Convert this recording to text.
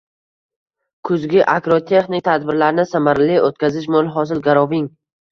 Kuzgi agrotexnik tadbirlarni samarali o‘tkazish mo‘l hosil garoving